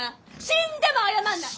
死んでも謝んない！